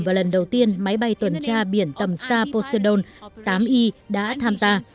và lần đầu tiên máy bay tuần tra biển tầm xa poseidon tám e đã tham gia